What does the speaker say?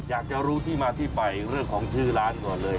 อยากจะรู้ที่มาที่ไปเรื่องของชื่อร้านก่อนเลย